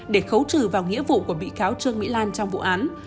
để khấu trừ vào nghĩa vụ của bị cáo trương mỹ lan trong vụ án